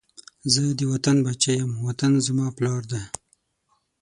زه د وطن بچی یم، وطن زما پلار دی